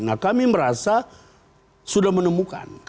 nah kami merasa sudah menemukan